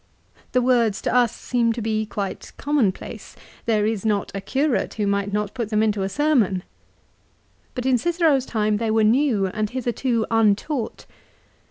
The words to us seem to be quite common place. There is not a curate who might not put them into a sermon. But in Cicero's time they were new, and hitherto untaught.